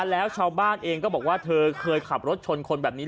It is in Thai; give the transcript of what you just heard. แล้วชาวบ้านเองก็บอกว่าเธอเคยขับรถชนคนแบบนี้